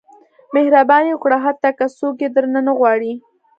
• مهرباني وکړه، حتی که څوک یې درنه نه غواړي.